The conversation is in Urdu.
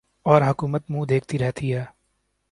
اور حکومت منہ دیکھتی رہتی ہے